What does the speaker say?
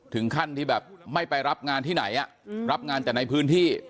ถึงขั้นที่แบบไม่ไปรับงานที่ไหนรับงานแต่ในพื้นที่